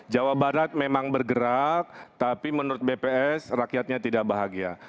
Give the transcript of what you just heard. jawa barat memang bergerak tapi menurut bps rakyatnya tidak bahagia